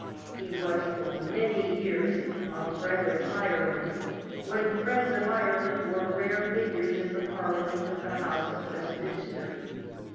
He was for many years a friend of Ireland when friends of Ireland were rare figures in the Parliament House at Westminster.